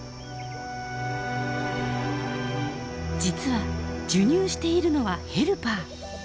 実は授乳しているのはヘルパー。